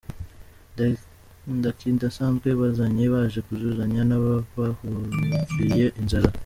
Ntakidasanzwe bazanye, baje kuzuzanya n’ababaharuriye inzira.